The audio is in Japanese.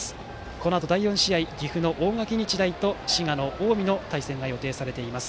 このあと、第４試合は岐阜の大垣日大と滋賀の近江の対戦が予定されています。